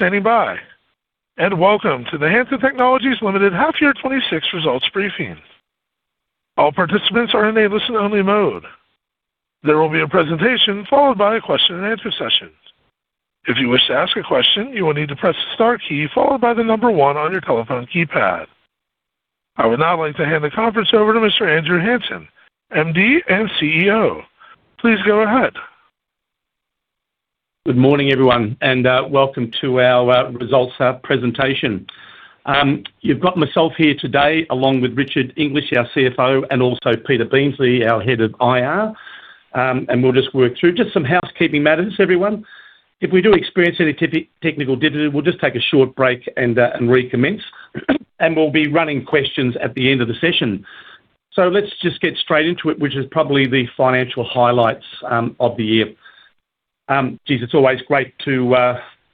We're standing by and welcome to the Hansen Technologies Limited Half Year 2026 Results Briefing. All participants are in a listen-only mode. There will be a presentation followed by a question and answer session. If you wish to ask a question, you will need to press the star key followed by the number one on your telephone keypad. I would now like to hand the conference over to Mr. Andrew Hansen, MD and CEO. Please go ahead. Good morning, everyone, and welcome to our results presentation. You've got myself here today, along with Richard English, our CFO, and also Peter Beamsley, our head of IR. We'll just work through just some housekeeping matters, everyone. If we do experience any technical difficulty, we'll just take a short break and recommence, and we'll be running questions at the end of the session. So let's just get straight into it, which is probably the financial highlights of the year. Geez, it's always great to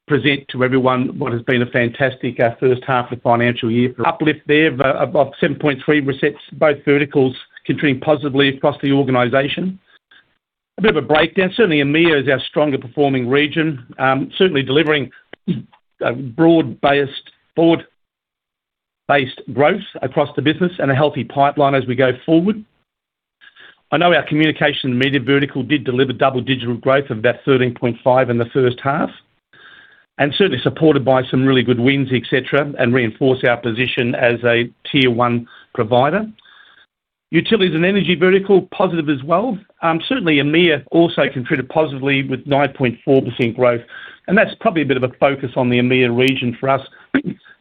present to everyone what has been a fantastic first half of financial year. Uplift there of 7.3 receipts, both verticals contributing positively across the organization. A bit of a breakdown. Certainly, EMEA is our stronger performing region, certainly delivering a broad-based, forward-based growth across the business and a healthy pipeline as we go forward. I know our communication and media vertical did deliver double-digital growth of about 13.5 in the first half, and certainly supported by some really good wins, et cetera, and reinforce our position as a tier one provider. Utilities and energy vertical, positive as well. Certainly, EMEA also contributed positively with 9.4% growth, and that's probably a bit of a focus on the EMEA region for us.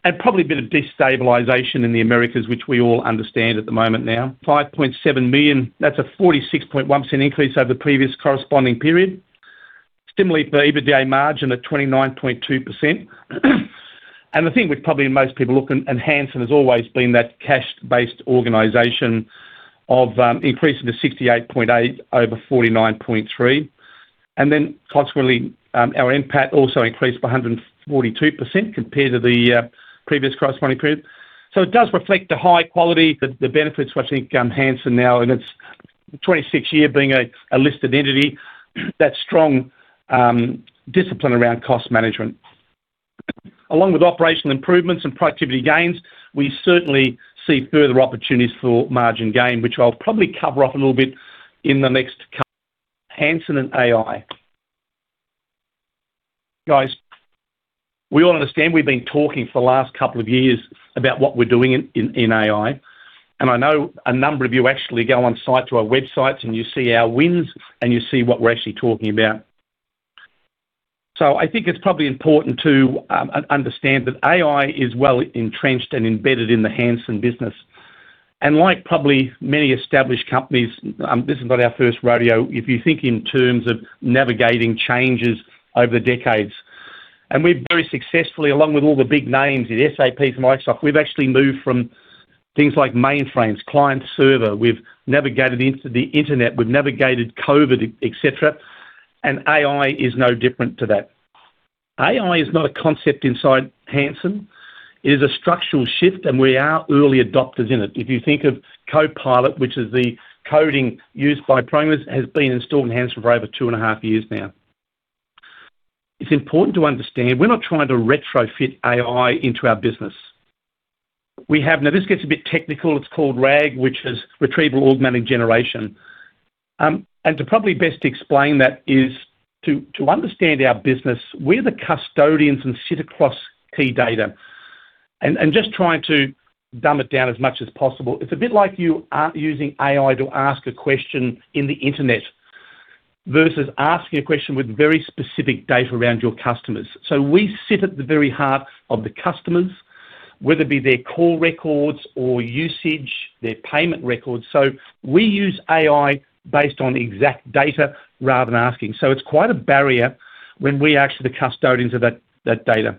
And probably a bit of destabilization in the Americas, which we all understand at the moment now. 5.7 million, that's a 46.1 increase over the previous corresponding period. Similarly, for EBITDA margin at 29.2%. And the thing with probably most people, Hansen has always been that cash-based organization, increasing to 68.8 over 49.3. And then, consequently, our NPAT also increased by 142% compared to the previous corresponding period. So it does reflect the high quality, the benefits, which I think, Hansen now, in its 26th year being a listed entity, that strong discipline around cost management. Along with operational improvements and productivity gains, we certainly see further opportunities for margin gain, which I'll probably cover off a little bit in the next couple. Hansen and AI. Guys, we all understand we've been talking for the last couple of years about what we're doing in AI, and I know a number of you actually go on site to our websites, and you see our wins, and you see what we're actually talking about. So I think it's probably important to understand that AI is well entrenched and embedded in the Hansen business. Like probably many established companies, this is not our first rodeo, if you think in terms of navigating changes over the decades, and we've very successfully, along with all the big names in SAP and Microsoft, we've actually moved from things like mainframes, client server. We've navigated into the internet, we've navigated COVID, et cetera, and AI is no different to that. AI is not a concept inside Hansen. It is a structural shift, and we are early adopters in it. If you think of Copilot, which is the coding used by programmers, has been installed in Hansen for over 2.5 years now. It's important to understand we're not trying to retrofit AI into our business. We have. Now, this gets a bit technical. It's called RAG, which is Retrieval Augmented Generation. And to probably best explain that is to understand our business, we're the custodians and sit across key data. And just trying to dumb it down as much as possible, it's a bit like you are using AI to ask a question in the internet versus asking a question with very specific data around your customers. So we sit at the very heart of the customers, whether it be their call records or usage, their payment records. So we use AI based on exact data rather than asking. So it's quite a barrier when we are actually the custodians of that data.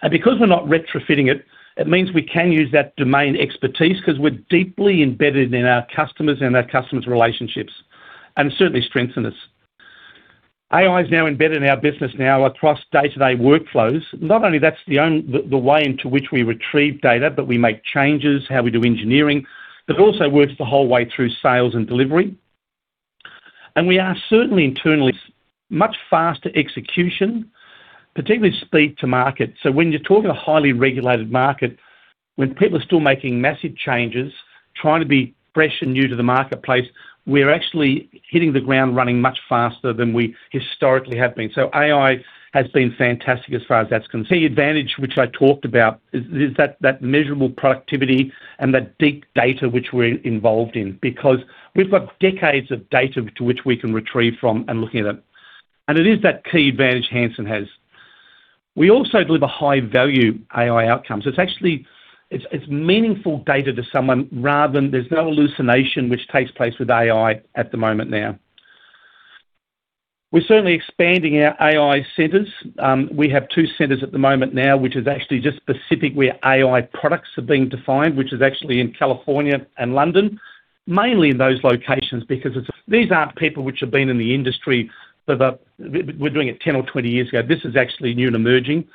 And because we're not retrofitting it, it means we can use that domain expertise because we're deeply embedded in our customers and our customers' relationships, and certainly strengthen us. AI is now embedded in our business now across day-to-day workflows. Not only that's the only - the way into which we retrieve data, but we make changes, how we do engineering. It also works the whole way through sales and delivery. And we are certainly internally much faster execution, particularly speed to market. So when you're talking a highly regulated market, when people are still making massive changes, trying to be fresh and new to the marketplace, we're actually hitting the ground running much faster than we historically have been. So AI has been fantastic as far as that's concerned. The advantage, which I talked about, is that measurable productivity and that big data which we're involved in, because we've got decades of data to which we can retrieve from and looking at it. And it is that key advantage Hansen has. We also deliver high-value AI outcomes. It's actually, it's meaningful data to someone rather than there's no hallucination which takes place with AI at the moment now. We're certainly expanding our AI centers. We have two centers at the moment now, which is actually just specific where AI products are being defined, which is actually in California and London. Mainly in those locations because it's-- These aren't people which have been in the industry for the, we're doing it 10 or 20 years ago. This is actually new and emerging.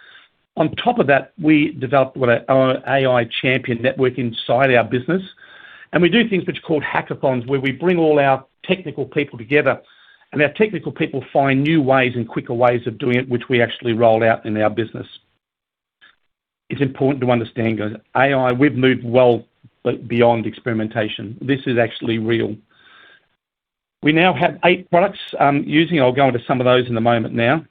On top of that, we developed what our, our AI champion network inside our business, and we do things which are called hackathons, where we bring all our technical people together, and our technical people find new ways and quicker ways of doing it, which we actually roll out in our business. It's important to understand, guys, AI, we've moved well, but beyond experimentation, this is actually real. We now have 8 products using. I'll go into some of those in a moment now.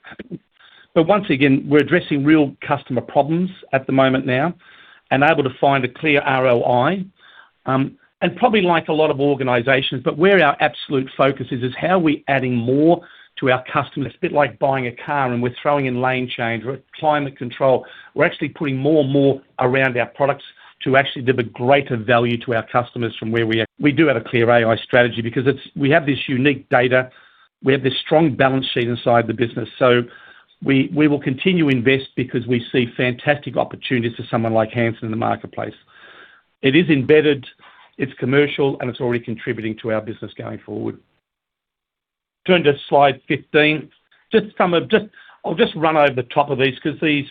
But once again, we're addressing real customer problems at the moment now and able to find a clear ROI, and probably like a lot of organizations, but where our absolute focus is, is how are we adding more to our customers? It's a bit like buying a car, and we're throwing in lane change or climate control. We're actually putting more and more around our products to actually deliver greater value to our customers from where we are. We do have a clear AI strategy because it's, we have this unique data. We have this strong balance sheet inside the business, so we, we will continue to invest because we see fantastic opportunities for someone like Hansen in the marketplace. It is embedded, it's commercial, and it's already contributing to our business going forward. Turn to slide 15. Just some of, I'll just run over the top of these, because these,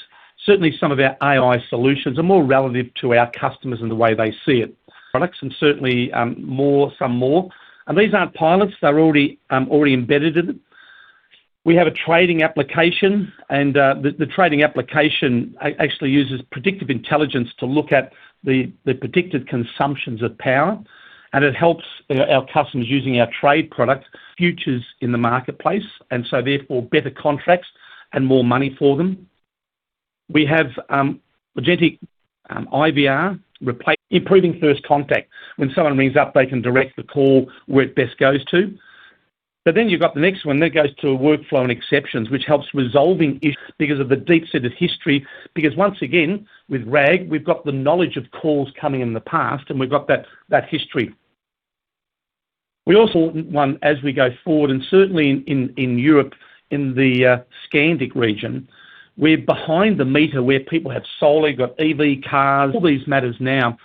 certainly some of our AI solutions are more relative to our customers and the way they see it. Products, and certainly, more, some more. And these aren't pilots; they're already, already embedded in it. We have a trading application, and, the, the trading application actually uses predictive intelligence to look at the, the predicted consumptions of power, and it helps our, our customers using our trade product futures in the marketplace, and so therefore, better contracts and more money for them. We have Agentic IVR, replace improving first contact. When someone rings up, they can direct the call where it best goes to. But then you've got the next one that goes to a workflow and exceptions, which helps resolving issues because of the deep set of history. Because once again, with RAG, we've got the knowledge of calls coming in the past, and we've got that history. We also won as we go forward, and certainly in Europe, in the Nordic region, we're behind the meter where people have solar, EV cars, all these meters now.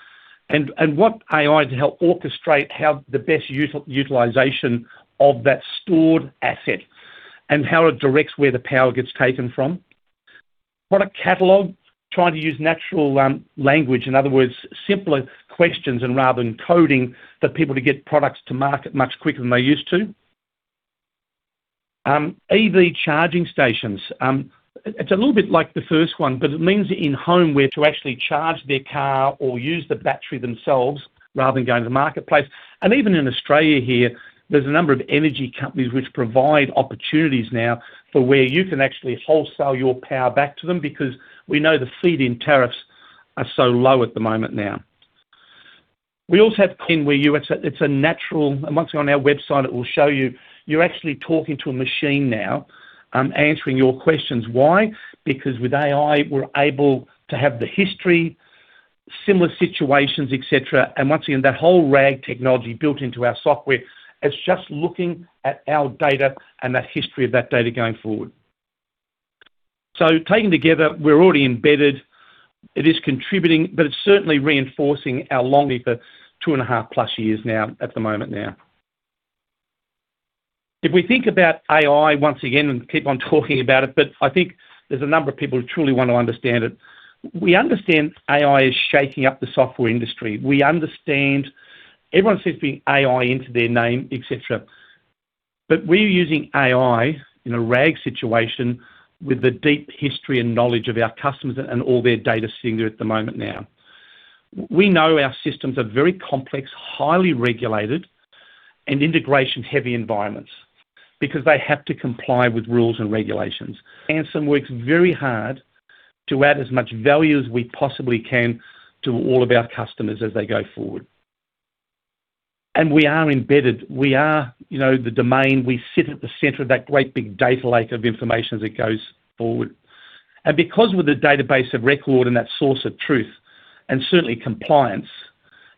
And what AI to help orchestrate how the best utilization of that stored asset and how it directs where the power gets taken from. Product catalog, trying to use natural language, in other words, simpler questions and rather than coding for people to get products to market much quicker than they used to. EV charging stations. It's a little bit like the first one, but it means that in-home, where to actually charge their car or use the battery themselves rather than going to the marketplace. Even in Australia here, there's a number of energy companies which provide opportunities now for where you can actually wholesale your power back to them because we know the feed-in tariffs are so low at the moment now. It's a natural, and once you're on our website, it will show you, you're actually talking to a machine now, answering your questions. Why? Because with AI, we're able to have the history, similar situations, et cetera. And once again, that whole RAG technology built into our software, it's just looking at our data and that history of that data going forward. So taken together, we're already embedded. It is contributing, but it's certainly reinforcing our longing for 2.5+ years now, at the moment now. If we think about AI once again and keep on talking about it, but I think there's a number of people who truly want to understand it. We understand AI is shaking up the software industry. We understand everyone seems to be AI into their name, et cetera. But we're using AI in a RAG situation with the deep history and knowledge of our customers and all their data sitting there at the moment now. We know our systems are very complex, highly regulated, and integration-heavy environments because they have to comply with rules and regulations. Hansen works very hard to add as much value as we possibly can to all of our customers as they go forward. And we are embedded. We are, you know, the domain. We sit at the center of that great big data lake of information as it goes forward. Because we're the database of record and that source of truth, and certainly compliance,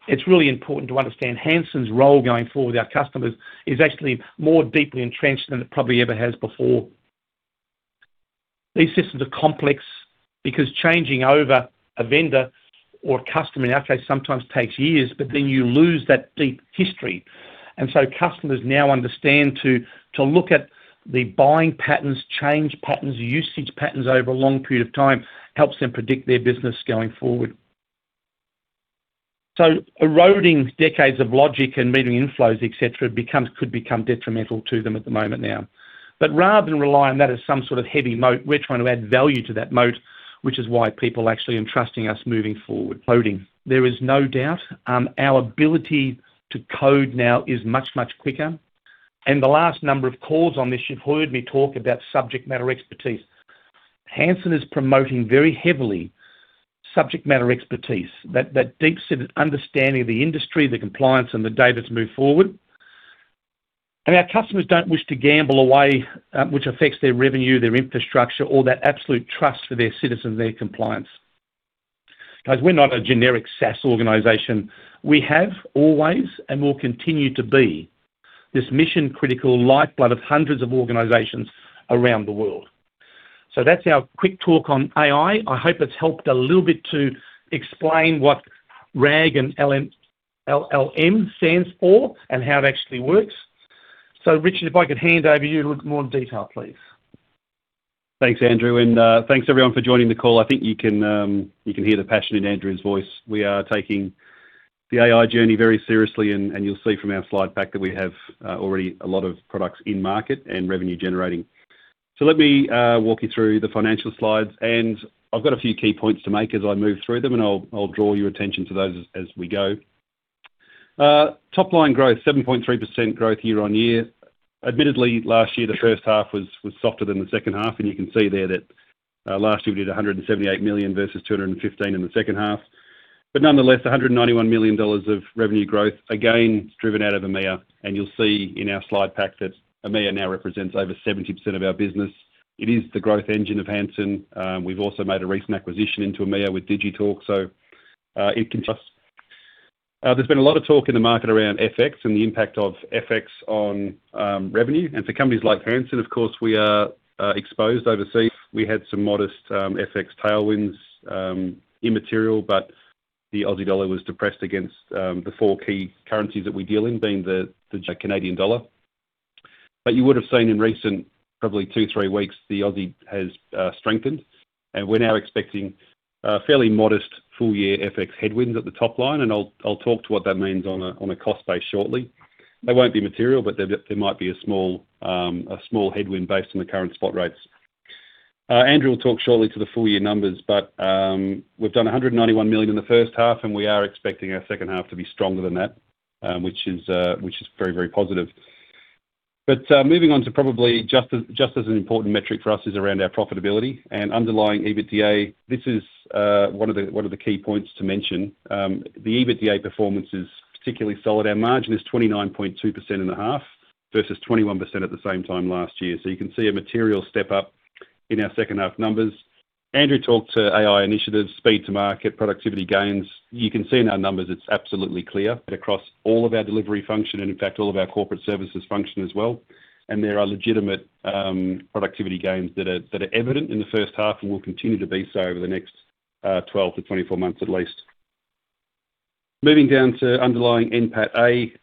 it's really important to understand Hansen's role going forward with our customers is actually more deeply entrenched than it probably ever has before. These systems are complex because changing over a vendor or a customer, in our case, sometimes takes years, but then you lose that deep history. So customers now understand to, to look at the buying patterns, change patterns, usage patterns over a long period of time, helps them predict their business going forward. So eroding decades of logic and meeting inflows, et cetera, becomes, could become detrimental to them at the moment now. But rather than rely on that as some sort of heavy moat, we're trying to add value to that moat, which is why people actually entrusting us moving forward. There is no doubt, our ability to code now is much, much quicker. The last number of calls on this, you've heard me talk about subject matter expertise. Hansen is promoting very heavily subject matter expertise, that deep understanding of the industry, the compliance, and the data to move forward. Our customers don't wish to gamble away, which affects their revenue, their infrastructure, or that absolute trust for their citizens and their compliance. Because we're not a generic SaaS organization. We have always and will continue to be this mission-critical lifeblood of hundreds of organizations around the world. That's our quick talk on AI. I hope it's helped a little bit to explain what RAG and LLM stands for and how it actually works. Richard, if I could hand over you to look more in detail, please. Thanks, Andrew, and thanks everyone for joining the call. I think you can hear the passion in Andrew's voice. We are taking the AI journey very seriously, and you'll see from our slide pack that we have already a lot of products in market and revenue generating. So let me walk you through the financial slides, and I've got a few key points to make as I move through them, and I'll draw your attention to those as we go. Top line growth, 7.3% growth year-on-year. Admittedly, last year, the first half was softer than the second half, and you can see there that last year we did 178 million versus 215 million in the second half. But nonetheless, 191 million dollars of revenue growth, again, driven out of EMEA, and you'll see in our slide pack that EMEA now represents over 70% of our business. It is the growth engine of Hansen. We've also made a recent acquisition into EMEA with Digitalk, so, it continues. There's been a lot of talk in the market around FX and the impact of FX on revenue, and for companies like Hansen, of course, we are exposed overseas. We had some modest FX tailwinds, immaterial, but the Aussie dollar was depressed against the four key currencies that we deal in, being the Canadian dollar. But you would have seen in recent, probably two to three weeks, the Aussie has strengthened, and we're now expecting a fairly modest full-year FX headwind at the top line, and I'll talk to what that means on a cost base shortly. They won't be material, but there might be a small headwind based on the current spot rates. Andrew will talk shortly to the full-year numbers, but we've done 191 million in the first half, and we are expecting our second half to be stronger than that, which is very, very positive. But moving on to probably just as an important metric for us is around our profitability and underlying EBITDA. This is one of the key points to mention. The EBITDA performance is particularly solid. Our margin is 29.2% in the half versus 21% at the same time last year. So you can see a material step up in our second half numbers. Andrew talked to AI initiatives, speed to market, productivity gains. You can see in our numbers, it's absolutely clear across all of our delivery function and in fact, all of our corporate services function as well. And there are legitimate productivity gains that are, that are evident in the first half and will continue to be so over the next 12-24 months at least. Moving down to underlying NPAT,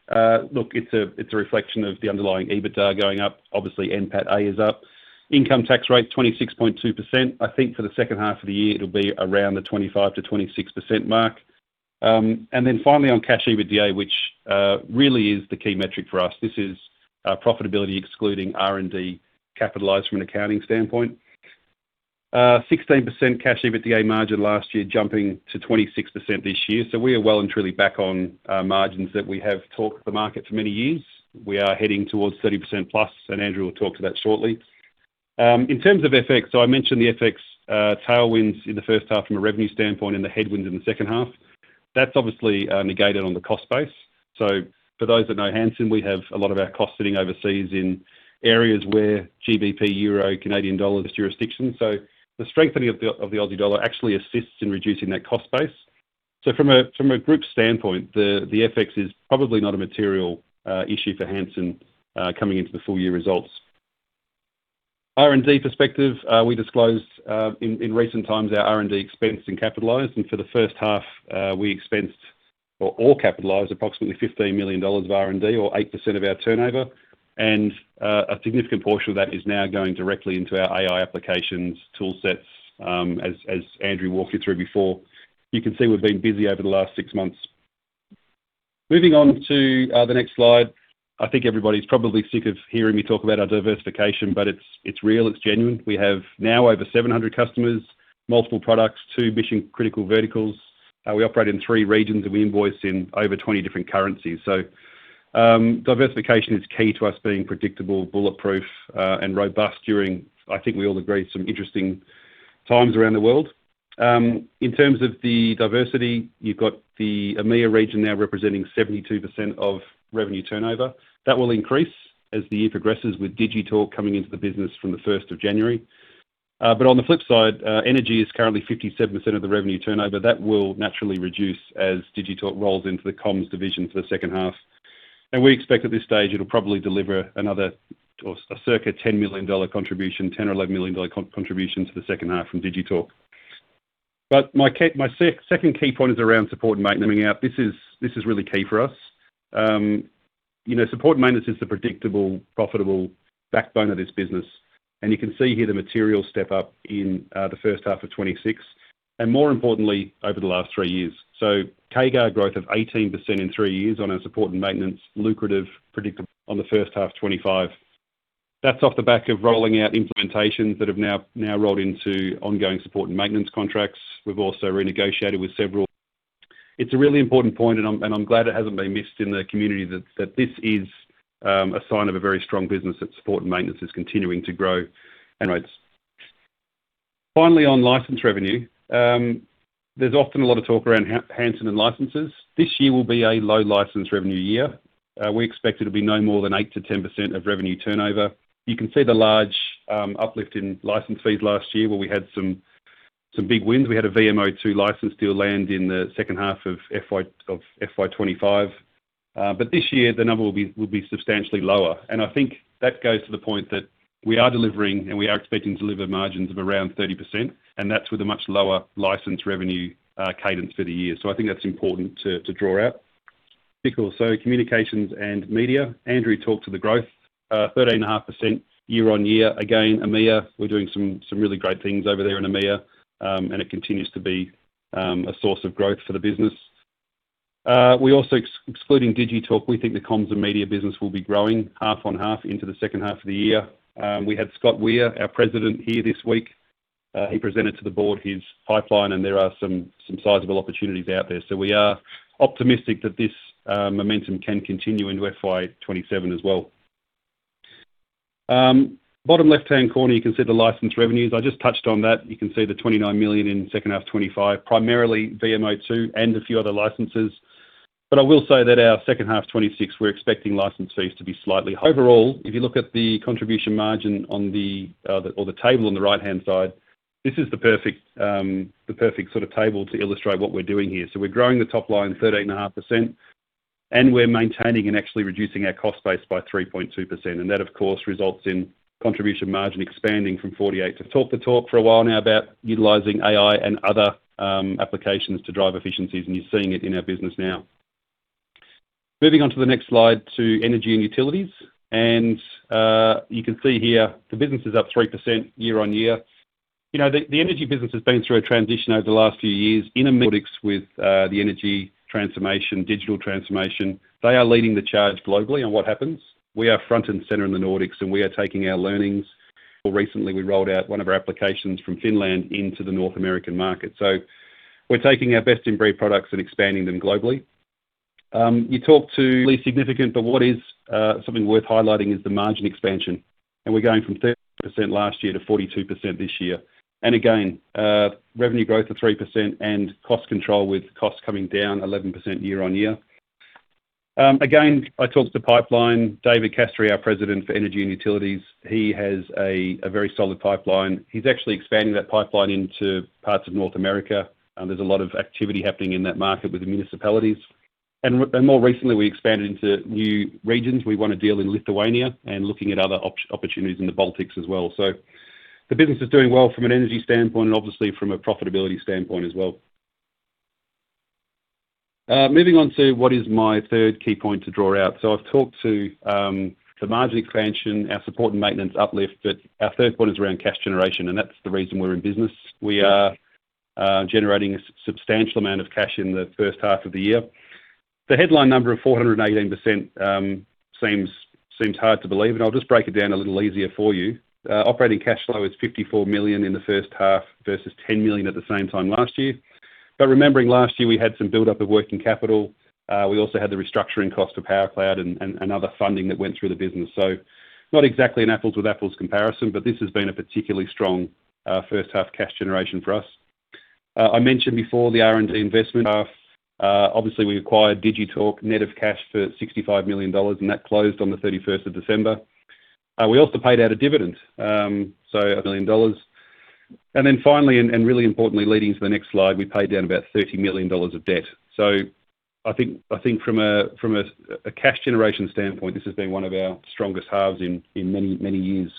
look, it's a, it's a reflection of the underlying EBITDA going up. Obviously, NPAT is up. Income tax rate, 26.2%. I think for the second half of the year, it'll be around the 25%-26% mark. And then finally, on Cash EBITDA, which really is the key metric for us. This is profitability excluding R&D, capitalized from an accounting standpoint. 16% Cash EBITDA margin last year, jumping to 26% this year. So we are well and truly back on margins that we have talked to the market for many years. We are heading towards 30%+, and Andrew will talk to that shortly. In terms of FX, so I mentioned the FX tailwinds in the first half from a revenue standpoint and the headwind in the second half. That's obviously negated on the cost base. So for those that know Hansen, we have a lot of our costs sitting overseas in areas where GBP, euro, Canadian dollar jurisdictions. So the strengthening of the, of the Aussie dollar actually assists in reducing that cost base. So from a, from a group standpoint, the, the FX is probably not a material issue for Hansen coming into the full year results. R&D perspective, we disclosed in, in recent times, our R&D expense and capitalized, and for the first half, we expensed or all capitalized approximately 15 million dollars of R&D or 8% of our turnover, and a significant portion of that is now going directly into our AI applications tool sets, as, as Andrew walked you through before. You can see we've been busy over the last six months. Moving on to the next slide. I think everybody's probably sick of hearing me talk about our diversification, but it's, it's real, it's genuine. We have now over 700 customers, multiple products, two mission-critical verticals. We operate in three regions, and we invoice in over 20 different currencies. So, diversification is key to us being predictable, bulletproof, and robust during, I think we all agree, some interesting times around the world. In terms of the diversity, you've got the EMEA region now representing 72% of revenue turnover. That will increase as the year progresses with Digitalk coming into the business from the first of January. But on the flip side, energy is currently 57% of the revenue turnover. That will naturally reduce as Digitalk rolls into the comms division for the second half. We expect at this stage, it'll probably deliver another or a circa 10 million dollar contribution, 10 or 11 million contribution to the second half from Digitalk. But my second key point is around support and maintenance. This is really key for us. You know, support and maintenance is the predictable, profitable backbone of this business, and you can see here the material step up in the first half of 2026, and more importantly, over the last three years. CAGR growth of 18% in three years on our support and maintenance, lucrative, predictable on the first half of 2025. That's off the back of rolling out implementations that have now rolled into ongoing support and maintenance contracts. We've also renegotiated with several... It's a really important point, and I'm glad it hasn't been missed in the community that this is a sign of a very strong business, that support and maintenance is continuing to grow. Finally, on license revenue, there's often a lot of talk around Hansen and licenses. This year will be a low license revenue year. We expect it to be no more than 8%-10% of revenue turnover. You can see the large uplift in license fees last year, where we had some big wins. We had a VMO2 license deal land in the second half of FY 2025. But this year the number will be substantially lower. I think that goes to the point that we are delivering, and we are expecting to deliver margins of around 30%, and that's with a much lower license revenue cadence for the year. So I think that's important to draw out.... Cool. So communications and media. Andrew talked to the growth, 13.5% year-on-year. Again, EMEA, we're doing some really great things over there in EMEA, and it continues to be a source of growth for the business. We also excluding Digitalk, we think the comms and media business will be growing half-on-half into the second half of the year. We had Scott Weir, our President, here this week. He presented to the board his pipeline, and there are some sizable opportunities out there. So we are optimistic that this momentum can continue into FY 2027 as well. Bottom left-hand corner, you can see the license revenues. I just touched on that. You can see the 29 million in second half 2025, primarily VMO2 and a few other licenses. But I will say that our second half 2026, we're expecting license fees to be slightly... Overall, if you look at the contribution margin on the or the table on the right-hand side, this is the perfect the perfect sort of table to illustrate what we're doing here. So we're growing the top line 13.5%, and we're maintaining and actually reducing our cost base by 3.2%. That, of course, results in contribution margin expanding from 48 to—Talk the talk for a while now about utilizing AI and other applications to drive efficiencies, and you're seeing it in our business now. Moving on to the next slide, to energy and utilities. You can see here the business is up 3% year-on-year. You know, the energy business has been through a transition over the last few years in Nordics with the energy transformation, digital transformation. They are leading the charge globally on what happens. We are front and center in the Nordics, and we are taking our learnings. More recently, we rolled out one of our applications from Finland into the North American market. So we're taking our best in breed products and expanding them globally. Significant, but what is something worth highlighting is the margin expansion, and we're going from 13% last year to 42% this year. And again, revenue growth of 3% and cost control, with costs coming down 11% year on year. Again, I talked to pipeline, David Castry, our President for Energy and Utilities. He has a very solid pipeline. He's actually expanding that pipeline into parts of North America, and there's a lot of activity happening in that market with the municipalities. And more recently, we expanded into new regions. We won a deal in Lithuania and looking at other opportunities in the Baltics as well. So the business is doing well from an energy standpoint and obviously from a profitability standpoint as well. Moving on to what is my third key point to draw out. So I've talked to the margin expansion, our support and maintenance uplift, but our third point is around cash generation, and that's the reason we're in business. We are generating a substantial amount of cash in the first half of the year. The headline number of 418% seems hard to believe, and I'll just break it down a little easier for you. Operating cash flow is 54 million in the first half versus 10 million at the same time last year. Remembering last year, we had some buildup of working capital. We also had the restructuring cost of PowerCloud and other funding that went through the business. Not exactly an apples with apples comparison, but this has been a particularly strong first half cash generation for us. I mentioned before the R&D investment. Obviously, we acquired Digitalk, net of cash, for 65 million dollars, and that closed on the 31st of December. We also paid out a dividend of 1 million dollars. Then finally, and really importantly, leading to the next slide, we paid down about 30 million dollars of debt. So I think from a cash generation standpoint, this has been one of our strongest halves in many years.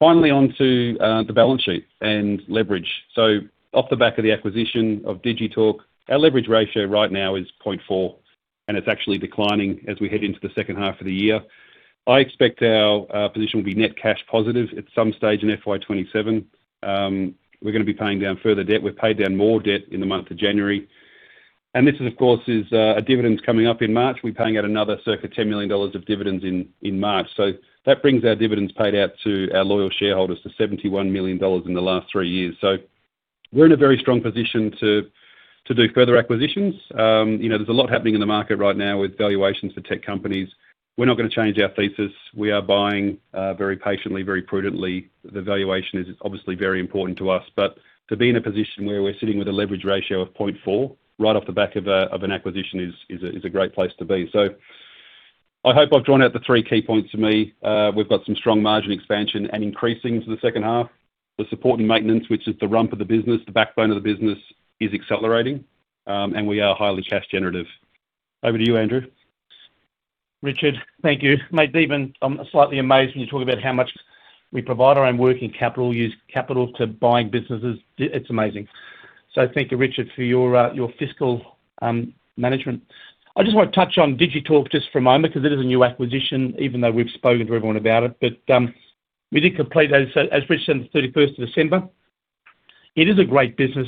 Finally, on to the balance sheet and leverage. So off the back of the acquisition of Digitalk, our leverage ratio right now is 0.4, and it's actually declining as we head into the second half of the year. I expect our position will be net cash positive at some stage in FY 2027. We're going to be paying down further debt. We've paid down more debt in the month of January, and this, of course, is a dividend coming up in March. We're paying out another circa 10 millionof dividends in, in March. So that brings our dividends paid out to our loyal shareholders to 71 million dollars in the last three years. So we're in a very strong position to, to do further acquisitions. You know, there's a lot happening in the market right now with valuations for tech companies. We're not going to change our thesis. We are buying very patiently, very prudently. The valuation is obviously very important to us, but to be in a position where we're sitting with a leverage ratio of 0.4, right off the back of a, of an acquisition is, is a, is a great place to be. So I hope I've drawn out the three key points for me. We've got some strong margin expansion and increasing to the second half. The support and maintenance, which is the rump of the business, the backbone of the business, is accelerating, and we are highly cash generative. Over to you, Andrew. Richard, thank you. Mate, even I'm slightly amazed when you talk about how much we provide our own working capital, use capital to buying businesses. It's amazing. So thank you, Richard, for your your fiscal management. I just want to touch on Digitalk just for a moment, because it is a new acquisition, even though we've spoken to everyone about it. But we did complete that, as Richard said, the 31st of December. It is a great business,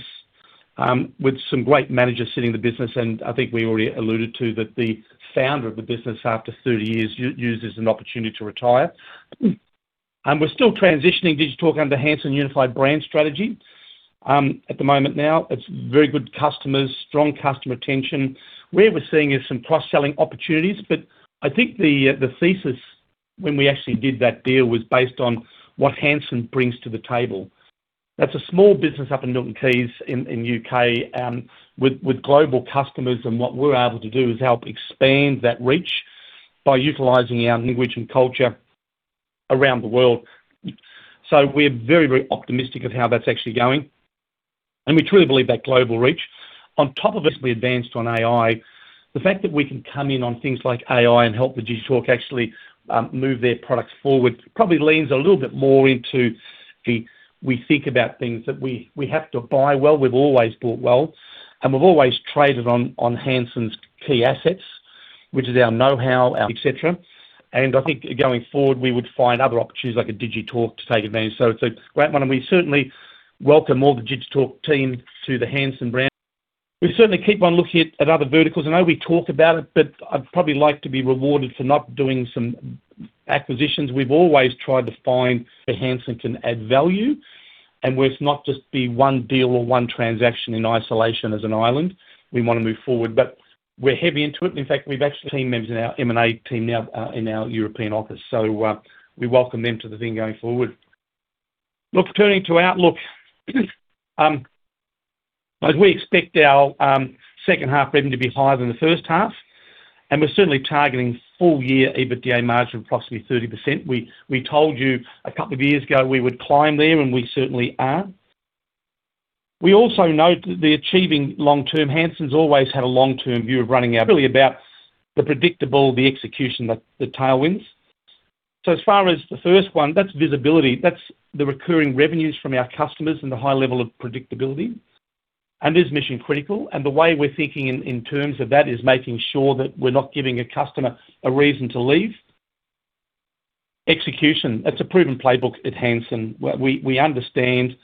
with some great managers sitting in the business, and I think we already alluded to that the founder of the business, after 30 years, used this as an opportunity to retire. And we're still transitioning Digitalk under the Hansen unified brand strategy. At the moment now, it's very good customers, strong customer retention. Where we're seeing is some cross-selling opportunities, but I think the thesis when we actually did that deal was based on what Hansen brings to the table. That's a small business up in Milton Keynes in UK, with global customers, and what we're able to do is help expand that reach by utilizing our language and culture around the world. So we're very, very optimistic of how that's actually going, and we truly believe that global reach. On top of it, we advanced on AI. The fact that we can come in on things like AI and help with Digitalk actually move their products forward, probably leans a little bit more into- we think about things that we have to buy well. We've always bought well, and we've always traded on Hansen's key assets, which is our know-how, et cetera. I think going forward, we would find other opportunities like a Digitalk to take advantage. So it's a great one, and we certainly welcome all the Digitalk team to the Hansen brand. We certainly keep on looking at other verticals. I know we talked about it, but I'd probably like to be rewarded for not doing some acquisitions. We've always tried to find where Hansen can add value, and where it's not just be one deal or one transaction in isolation as an island. We want to move forward, but we're heavy into it. In fact, we've actually team members in our M&A team now in our European office. So we welcome them to the thing going forward. Look, turning to outlook, as we expect our second half revenue to be higher than the first half, and we're certainly targeting full year EBITDA margin of approximately 30%. We told you a couple of years ago we would climb there, and we certainly are. We also note that the achieving long-term, Hansen's always had a long-term view of running out, really about the predictable, the execution, the tailwinds. So as far as the first one, that's visibility, that's the recurring revenues from our customers and the high level of predictability and is mission critical. And the way we're thinking in terms of that is making sure that we're not giving a customer a reason to leave. Execution, that's a proven playbook at Hansen. We, we understand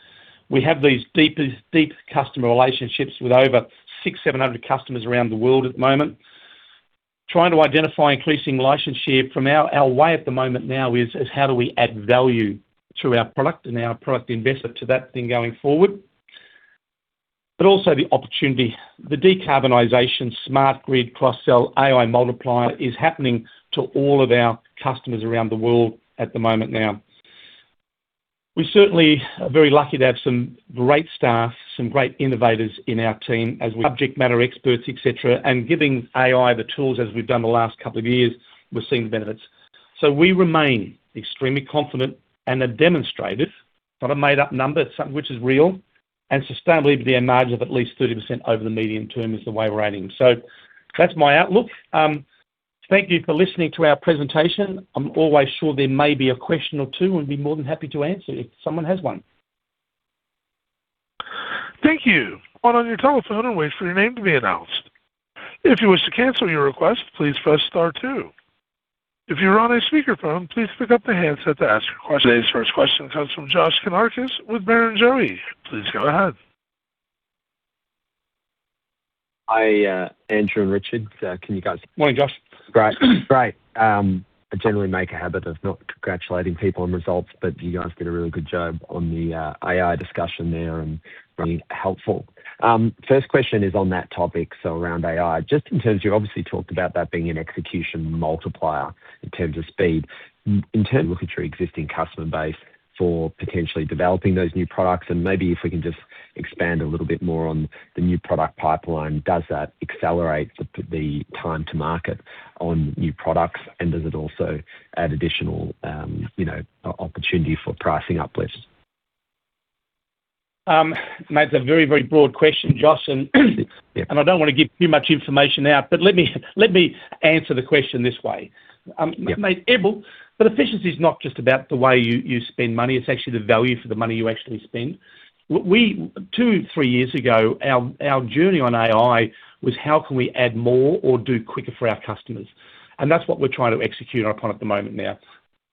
we have these deep, deep customer relationships with over 600-700 customers around the world at the moment. Trying to identify increasing license share from our- our way at the moment now is, is how do we add value to our product and our product investment to that thing going forward? But also the opportunity, the decarbonization, Smart Grid, cross-sell, AI multiplier is happening to all of our customers around the world at the moment now. We certainly are very lucky to have some great staff, some great innovators in our team as subject matter experts, et cetera, and giving AI the tools as we've done the last couple of years, we're seeing the benefits. So we remain extremely confident and have demonstrated, not a made-up number, something which is real and sustainably be a margin of at least 30% over the medium term is the way we're aiming. So that's my outlook. Thank you for listening to our presentation. I'm always sure there may be a question or two, and I'd be more than happy to answer if someone has one. Thank you. Hold on your telephone and wait for your name to be announced. If you wish to cancel your request, please press star two. If you're on a speakerphone, please pick up the handset to ask your question. Today's first question comes from Josh Kannourakis with Barrenjoey. Please go ahead. Hi, Andrew and Richard. Can you guys- Morning, Josh. Great. Great. I generally make a habit of not congratulating people on results, but you guys did a really good job on the AI discussion there, and really helpful. First question is on that topic, so around AI. Just in terms, you obviously talked about that being an execution multiplier in terms of speed. In terms of looking at your existing customer base for potentially developing those new products, and maybe if we can just expand a little bit more on the new product pipeline, does that accelerate the time to market on new products? And does it also add additional, you know, opportunity for pricing uplifts? That's a very, very broad question, Josh, and, Yeah. I don't want to give too much information out, but let me, let me answer the question this way. Yeah. Mate, but efficiency is not just about the way you, you spend money, it's actually the value for the money you actually spend. We, two, three years ago, our journey on AI was how can we add more or do quicker for our customers? And that's what we're trying to execute upon at the moment now.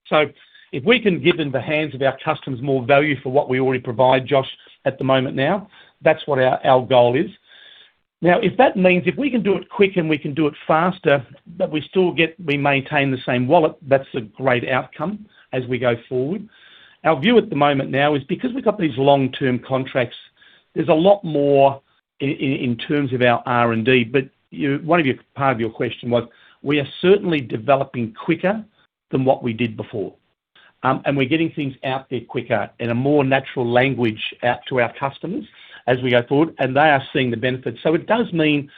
So if we can give in the hands of our customers more value for what we already provide, Josh, at the moment now, that's what our goal is. Now, if that means if we can do it quick and we can do it faster, but we still get we maintain the same wallet, that's a great outcome as we go forward. Our view at the moment now is because we've got these long-term contracts, there's a lot more in terms of our R&D, but you, one of your, part of your question was, we are certainly developing quicker than what we did before. We're getting things out there quicker in a more natural language out to our customers as we go forward, and they are seeing the benefits. So it does mean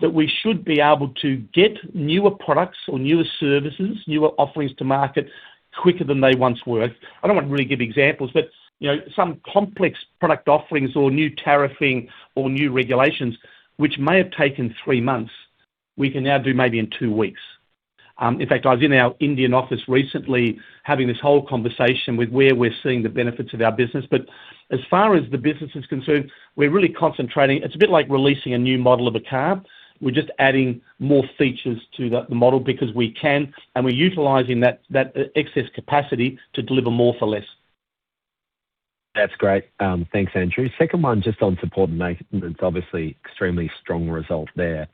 that we should be able to get newer products or newer services, newer offerings to market quicker than they once were. I don't want to really give examples, but, you know, some complex product offerings or new tariffing or new regulations, which may have taken three months, we can now do maybe in two weeks. In fact, I was in our Indian office recently having this whole conversation with where we're seeing the benefits of our business. But as far as the business is concerned, we're really concentrating. It's a bit like releasing a new model of a car. We're just adding more features to the model because we can, and we're utilizing that excess capacity to deliver more for less. That's great. Thanks, Andrew. Second one, just on support and maintenance, obviously extremely strong result there.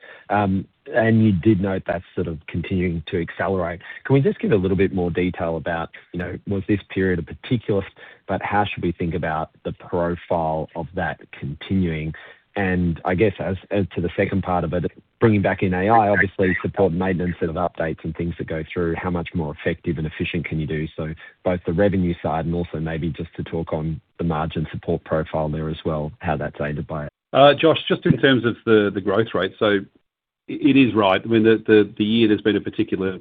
And you did note that's sort of continuing to accelerate. Can we just give a little bit more detail about, you know, was this period a particular... But how should we think about the profile of that continuing? And I guess as to the second part of it, bringing back in AI, obviously support and maintenance and updates and things that go through, how much more effective and efficient can you do? So both the revenue side and also maybe just to talk on the margin support profile there as well, how that's aided by it. Josh, just in terms of the growth rate. So it is right. I mean, the year there's been a particular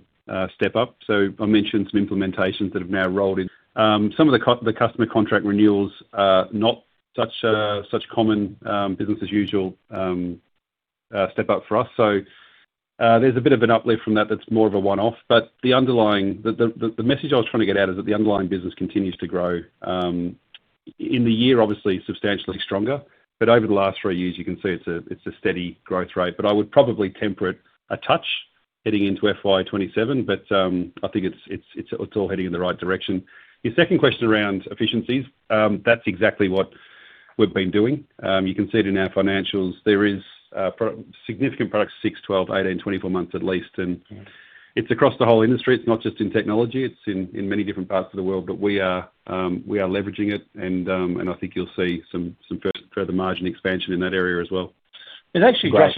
step up. So I mentioned some implementations that have now rolled in. Some of the customer contract renewals are not such common business as usual step up for us. So, there's a bit of an uplift from that that's more of a one-off, but the underlying message I was trying to get at is that the underlying business continues to grow in the year, obviously substantially stronger, but over the last three years, you can see it's a steady growth rate. But I would probably temper it a touch heading into FY 2027, but I think it's all heading in the right direction. Your second question around efficiencies, that's exactly what we've been doing. You can see it in our financials. There is significant productivity six, 12, 18, 24 months at least, and it's across the whole industry. It's not just in technology, it's in many different parts of the world. But we are leveraging it, and I think you'll see some further margin expansion in that area as well. Actually, Josh,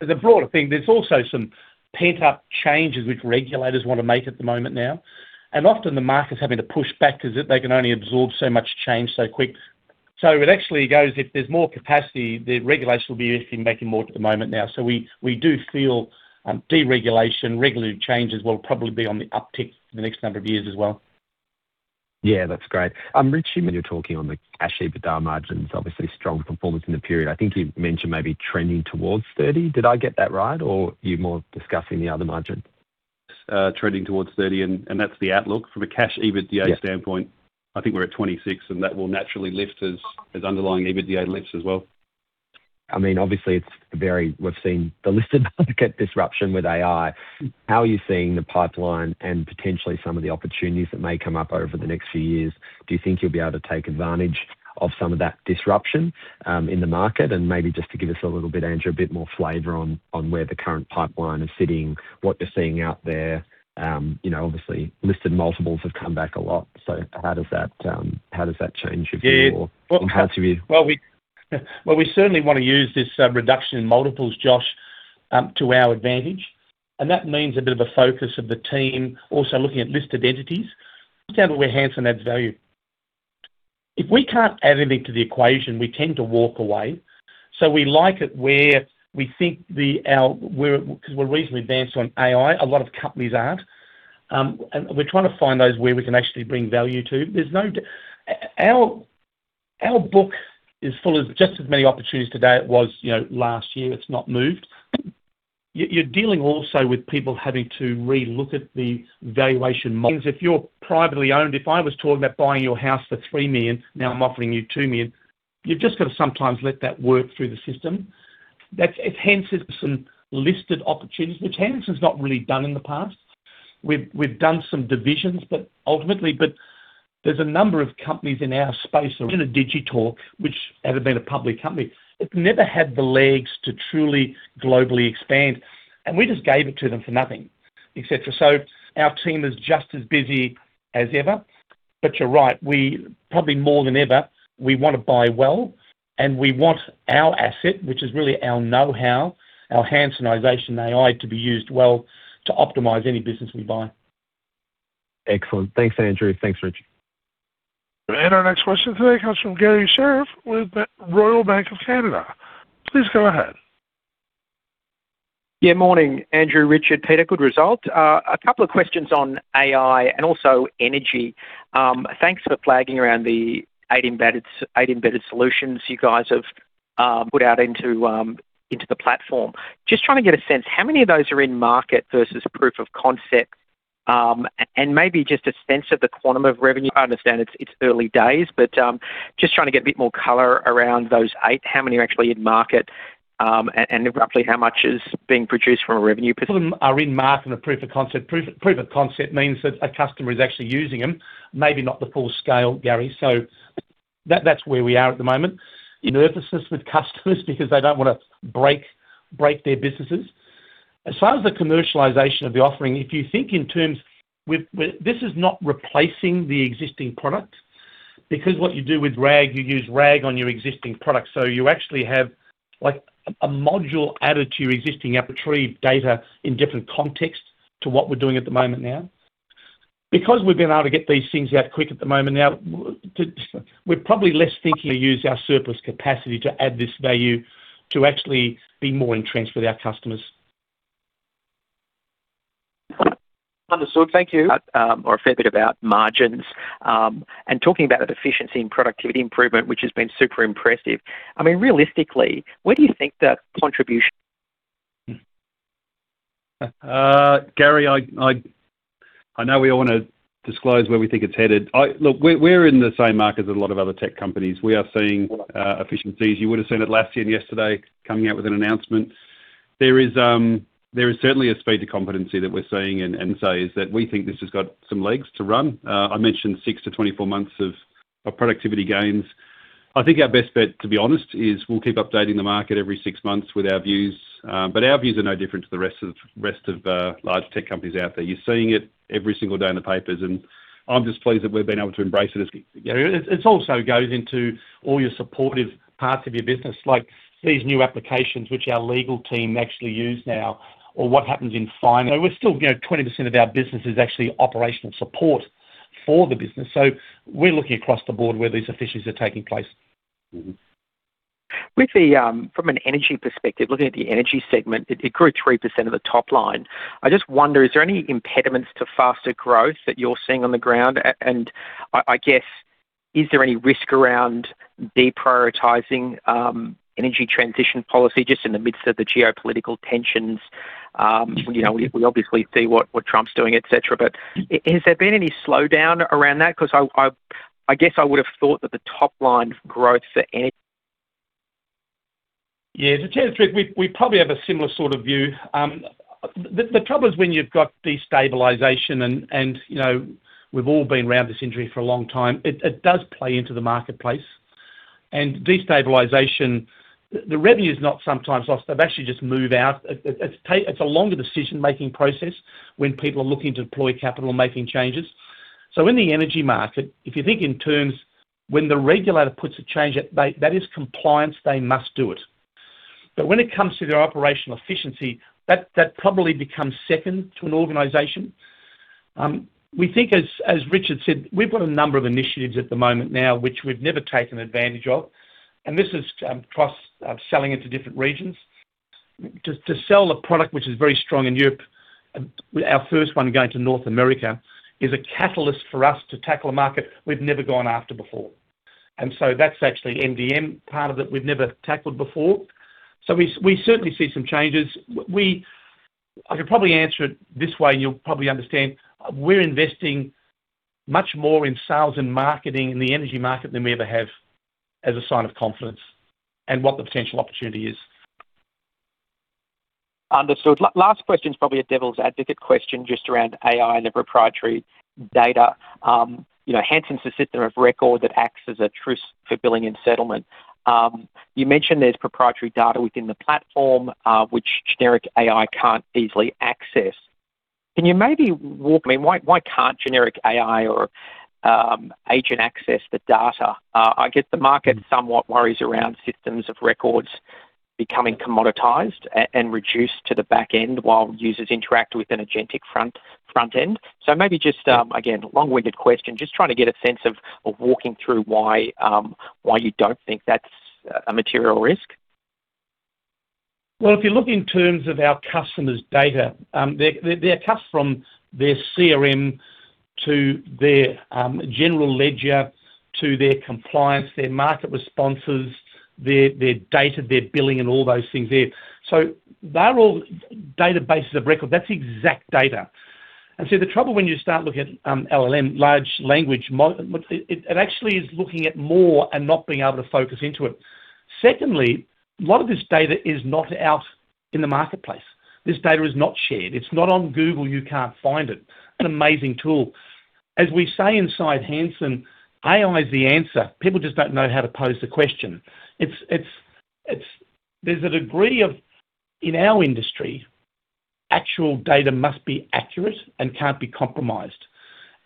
as a broader thing, there's also some pent-up changes which regulators want to make at the moment now, and often the market's having to push back because they can only absorb so much change so quick. So it actually goes, if there's more capacity, the regulation will be making more at the moment now. So we do feel deregulation, regulatory changes will probably be on the uptick for the next number of years as well. Yeah, that's great. Richie, when you're talking on the Cash EBITDA margins, obviously strong performance in the period. I think you mentioned maybe trending towards 30%. Did I get that right, or you're more discussing the other margins? Trending towards 30, and that's the outlook. From a Cash EBITDA standpoint- Yeah. I think we're at 2026, and that will naturally lift as underlying EBITDA lifts as well. I mean, obviously, we've seen the listed market disruption with AI. How are you seeing the pipeline and potentially some of the opportunities that may come up over the next few years? Do you think you'll be able to take advantage of some of that disruption in the market? Maybe just to give us a little bit, Andrew, a bit more flavor on where the current pipeline is sitting, what you're seeing out there, you know, obviously, listed multiples have come back a lot. So how does that change your view or parts of your- Well, we certainly want to use this reduction in multiples, Josh, to our advantage, and that means a bit of a focus of the team, also looking at listed entities, look at where Hansen adds value. If we can't add anything to the equation, we tend to walk away. So we like it where we think we're because we're reasonably advanced on AI, a lot of companies aren't. And we're trying to find those where we can actually bring value to. Our book is full of just as many opportunities today as it was, you know, last year. It's not moved. You're dealing also with people having to relook at the valuation models. If you're privately owned, if I was talking about buying your house for 3 million, now I'm offering you 2 million, you've just got to sometimes let that work through the system. That's it hence some listed opportunities, which Hansen has not really done in the past. We've done some divisions, but ultimately there's a number of companies in our space, in a Digitalk, which had been a public company. It never had the legs to truly globally expand, and we just gave it to them for nothing, et cetera. So our team is just as busy as ever. But you're right, we probably more than ever, we want to buy well, and we want our asset, which is really our know-how, our Hansenization AI, to be used well to optimize any business we buy. Excellent. Thanks, Andrew. Thanks, Richard. Our next question today comes from Garry Sherriff with the Royal Bank of Canada. Please go ahead. Yeah, morning, Andrew, Richard, Peter. Good result. A couple of questions on AI and also energy. Thanks for flagging around the 8 embedded, 8 embedded solutions you guys have put out into into the platform. Just trying to get a sense, how many of those are in market versus proof of concept, and maybe just a sense of the quantum of revenue? I understand it's early days, but just trying to get a bit more color around those 8, how many are actually in market, and roughly how much is being produced from a revenue perspective? are in market and a proof of concept. Proof, proof of concept means that a customer is actually using them, maybe not the full scale, Gary. So that, that's where we are at the moment. Nervousness with customers because they don't want to break, break their businesses. As far as the commercialization of the offering, if you think in terms with, with this is not replacing the existing product, because what you do with RAG, you use RAG on your existing product. So you actually have, like, a module added to your existing app to retrieve data in different contexts to what we're doing at the moment now. Because we've been able to get these things out quick at the moment now, we're probably less thinking to use our surplus capacity to add this value to actually be more entrenched with our customers. Understood. Thank you. or a fair bit about margins, and talking about efficiency and productivity improvement, which has been super impressive. I mean, realistically, where do you think the contribution- Gary, I know we all want to disclose where we think it's headed. Look, we're in the same market as a lot of other tech companies. We are seeing efficiencies. You would have seen it last year and yesterday coming out with an announcement. There is certainly a speed to competency that we're seeing and, say, is that we think this has got some legs to run. I mentioned six to 24 months of productivity gains. I think our best bet, to be honest, is we'll keep updating the market every six months with our views, but our views are no different to the rest of large tech companies out there. You're seeing it every single day in the papers, and I'm just pleased that we've been able to embrace it as- It also goes into all your supportive parts of your business, like these new applications, which our legal team actually use now, or what happens in finance. We're still, you know, 20% of our business is actually operational support for the business. So we're looking across the board where these efficiencies are taking place. Mm-hmm. With the, from an energy perspective, looking at the energy segment, it grew 3% of the top line. I just wonder, is there any impediments to faster growth that you're seeing on the ground? And I guess... Is there any risk around deprioritizing, energy transition policy just in the midst of the geopolitical tensions? You know, we obviously see what Trump's doing, et cetera, but has there been any slowdown around that? 'Cause I guess I would have thought that the top-line growth for any- Yeah, so Gen 3, we probably have a similar sort of view. The trouble is when you've got destabilization and, you know, we've all been around this industry for a long time, it does play into the marketplace. And destabilization, the revenue is not sometimes lost, they've actually just move out. It's a longer decision-making process when people are looking to deploy capital and making changes. So in the energy market, if you think in terms, when the regulator puts a change at play, that is compliance, they must do it. But when it comes to their operational efficiency, that probably becomes second to an organization. We think, as Richard said, we've got a number of initiatives at the moment now, which we've never taken advantage of, and this is cross-selling into different regions. To sell a product which is very strong in Europe, and our first one going to North America, is a catalyst for us to tackle a market we've never gone after before. And so that's actually MDM, part of it, we've never tackled before. So we certainly see some changes. We. I could probably answer it this way, and you'll probably understand. We're investing much more in sales and marketing in the energy market than we ever have, as a sign of confidence, and what the potential opportunity is. Understood. Last question is probably a devil's advocate question, just around AI and the proprietary data. You know, Hansen's the system of record that acts as a truth for billing and settlement. You mentioned there's proprietary data within the platform, which generic AI can't easily access. Can you maybe walk me why, why can't generic AI or agent access the data? I guess the market somewhat worries around systems of records becoming commoditized and reduced to the back end while users interact with an agentic front, front end. So maybe just again, long-winded question, just trying to get a sense of walking through why you don't think that's a material risk? Well, if you look in terms of our customers' data, their customers, their CRM to their general ledger, to their compliance, their market responses, their data, their billing, and all those things there. So they're all databases of record. That's exact data. And so the trouble when you start looking at LLM, large language model, it actually is looking at more and not being able to focus into it. Secondly, a lot of this data is not out in the marketplace. This data is not shared. It's not on Google, you can't find it. An amazing tool. As we say inside Hansen, AI is the answer. People just don't know how to pose the question. It's-- There's a degree of, in our industry, actual data must be accurate and can't be compromised.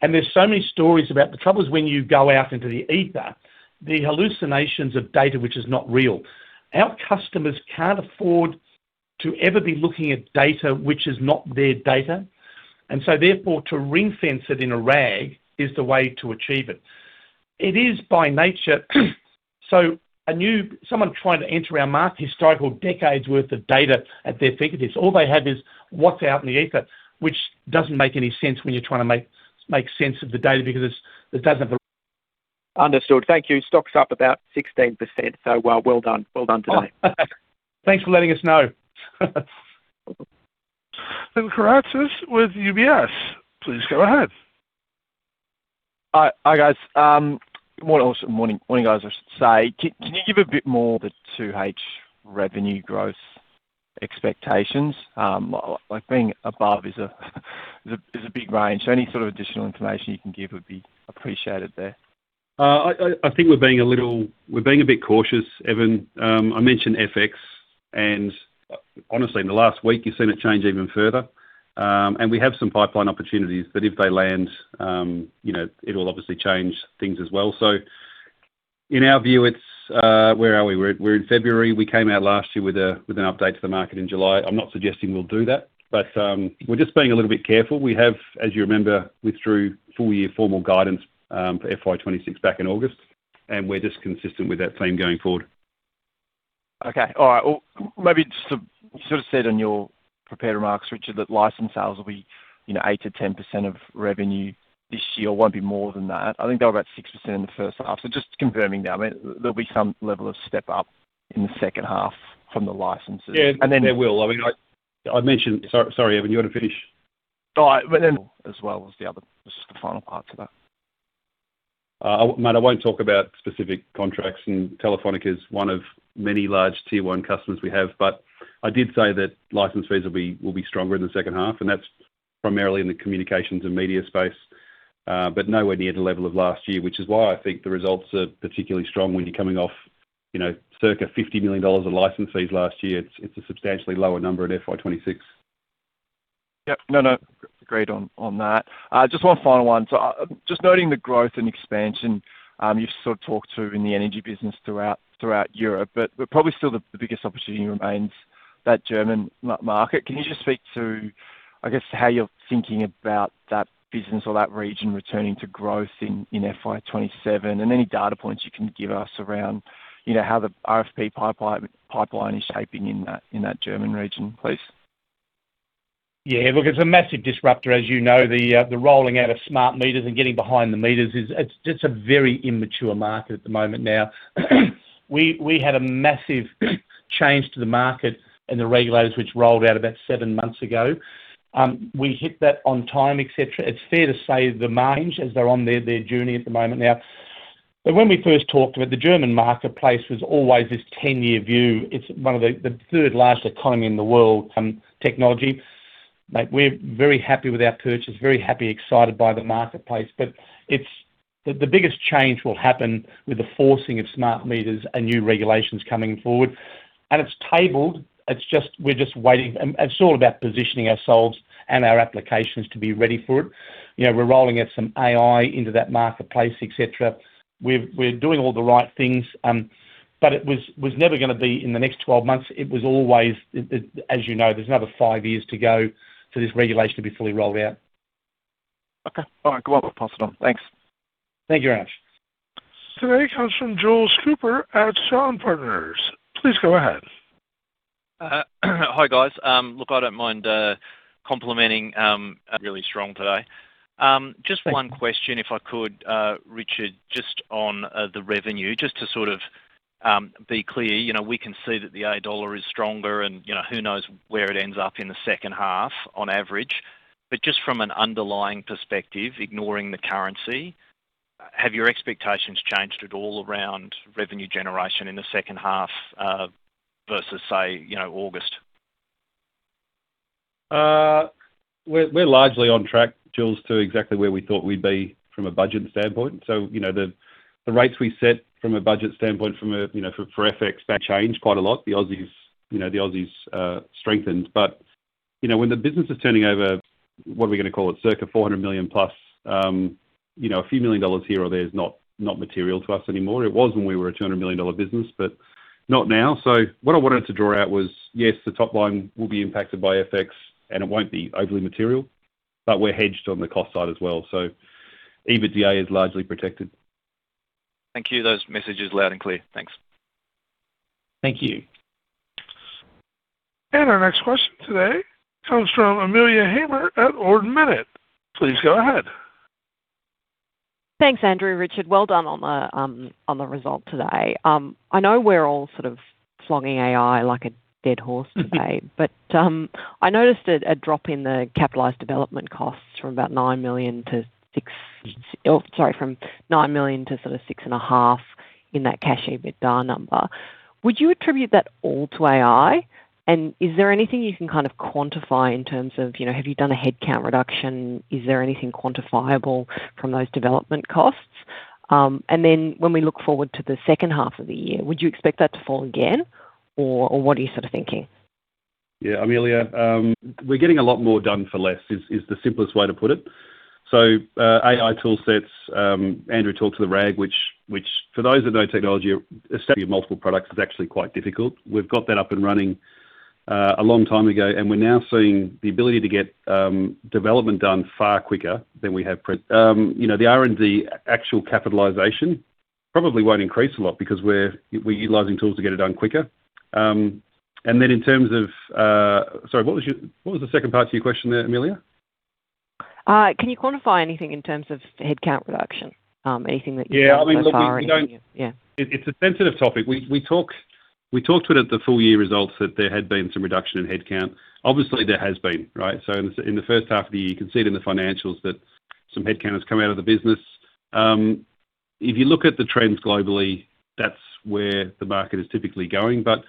There's so many stories about the troubles when you go out into the ether, the hallucinations of data, which is not real. Our customers can't afford to ever be looking at data which is not their data, and so therefore, to ring-fence it in a RAG is the way to achieve it. It is by nature, so a new, someone trying to enter our market historical decades worth of data at their fingertips, all they have is what's out in the ether, which doesn't make any sense when you're trying to make, make sense of the data because it's, it doesn't- Understood. Thank you. Stock's up about 16%, so well, well done. Well done today. Thanks for letting us know. Then Evan Karatzas with UBS, please go ahead. Hi, hi, guys. Morning all, morning, guys, I should say. Can you give a bit more the 2H revenue growth expectations? Like being above is a big range. So any sort of additional information you can give would be appreciated there. I think we're being a little-- we're being a bit cautious, Evan. I mentioned FX, and honestly, in the last week, you've seen it change even further. And we have some pipeline opportunities that if they land, you know, it'll obviously change things as well. So in our view, it's where are we? We're in February. We came out last year with an update to the market in July. I'm not suggesting we'll do that, but we're just being a little bit careful. We have, as you remember, withdrew full year formal guidance for FY 2026 back in August, and we're just consistent with that theme going forward. Okay. All right. Well, maybe just to, you sort of said in your prepared remarks, Richard, that license sales will be, you know, 8%-10% of revenue this year, won't be more than that. I think they're about 6% in the first half. So just confirming that, I mean, there'll be some level of step up in the second half from the licenses. Yeah- And then- There will. I mean, I, I mentioned... Sorry, sorry, Evan, you want to finish? All right, but then as well as the other, just the final part to that. Mate, I won't talk about specific contracts, and Telefónica is one of many large Tier 1 customers we have. But I did say that license fees will be, will be stronger in the second half, and that's primarily in the communications and media space, but nowhere near the level of last year, which is why I think the results are particularly strong when you're coming off, you know, circa 50 million dollars of license fees last year. It's, it's a substantially lower number at FY 2026. Yep. No, no, agreed on, on that. Just one final one. Just noting the growth and expansion, you've sort of talked to in the energy business throughout Europe, but probably still the biggest opportunity remains that German market. Can you just speak to, I guess, how you're thinking about that business or that region returning to growth in FY 2027, and any data points you can give us around, you know, how the RFP pipeline is shaping in that German region, please?... Yeah, look, it's a massive disruptor, as you know, the rolling out of smart meters and getting behind the meters is a very immature market at the moment now. We had a massive change to the market and the regulators, which rolled out about seven months ago. We hit that on time, et cetera. It's fair to say the manage, as they're on their journey at the moment now. But when we first talked about the German marketplace was always this 10-year view. It's one of the third largest economy in the world, technology. Like, we're very happy with our purchase, very happy, excited by the marketplace, but it's the biggest change will happen with the forcing of smart meters and new regulations coming forward. And it's tabled, it's just we're just waiting. It's all about positioning ourselves and our applications to be ready for it. You know, we're rolling out some AI into that marketplace, et cetera. We're doing all the right things, but it was never gonna be in the next 12 months. It was always, as you know, there's another 5 years to go for this regulation to be fully rolled out. Okay. All right, cool. I'll pass it on. Thanks. Thank you, Ash. Today comes from Jules Cooper at Shaw and Partners. Please go ahead. Hi, guys. Look, I don't mind complimenting really strong today. Just one question, if I could, Richard, just on the revenue, just to sort of be clear, you know, we can see that the Australian Dollar is stronger, and, you know, who knows where it ends up in the second half on average. But just from an underlying perspective, ignoring the currency, have your expectations changed at all around revenue generation in the second half, versus, say, you know, August? We're largely on track, Jules, to exactly where we thought we'd be from a budget standpoint. So, you know, the rates we set from a budget standpoint, you know, for FX change quite a lot. The Aussies, you know, the Aussies strengthened. But, you know, when the business is turning over, what are we gonna call it? Circa 400+ million, you know, a few Australian Dollar million here or there is not material to us anymore. It was when we were a 200 million dollar business, but not now. So what I wanted to draw out was, yes, the top line will be impacted by FX, and it won't be overly material, but we're hedged on the cost side as well, so EBITDA is largely protected. Thank you. Those messages loud and clear. Thanks. Thank you. Our next question today comes from Amelia Hamer at Ord Minnett. Please go ahead. Thanks, Andrew. Richard, well done on the result today. I know we're all sort of flogging AI like a dead horse today, but I noticed a drop in the capitalized development costs from about 9 million-6 million, or, sorry, from 9 million to sort of 6.5 million in that Cash EBITDA number. Would you attribute that all to AI? And is there anything you can kind of quantify in terms of, you know, have you done a headcount reduction? Is there anything quantifiable from those development costs? And then when we look forward to the second half of the year, would you expect that to fall again, or what are you sort of thinking? Yeah, Amelia, we're getting a lot more done for less, is the simplest way to put it. So, AI toolsets, Andrew talked to the RAG, which for those that know technology, establishing multiple products is actually quite difficult. We've got that up and running a long time ago, and we're now seeing the ability to get development done far quicker than we have. You know, the R&D actual capitalization probably won't increase a lot because we're utilizing tools to get it done quicker. And then in terms of... Sorry, what was your--what was the second part to your question there, Amelia? Can you quantify anything in terms of headcount reduction? Anything that you- Yeah, I mean, look, we don't- Yeah. It's a sensitive topic. We talked about it at the full year results, that there had been some reduction in headcount. Obviously, there has been, right? So in the first half of the year, you can see it in the financials that some headcount has come out of the business. If you look at the trends globally, that's where the market is typically going. But,